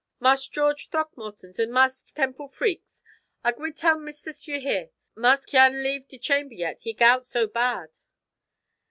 "Marse George Throckmorton's an' Marse Temple Freke's. I gwi' tell mistis you here. Marse c'yarn leave de charmber yet, he gout so bad."